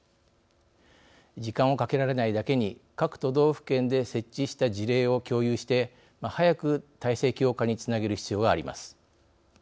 時間をかけられないだけに各都道府県で設置した事例を共有して早く体制強化につなげる必要があります。